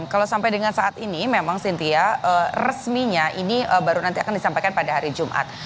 kalau sampai dengan saat ini memang cynthia resminya ini baru nanti akan disampaikan pada hari jumat